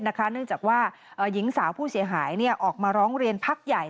เนื่องจากว่าหญิงสาวผู้เสียหายออกมาร้องเรียนพักใหญ่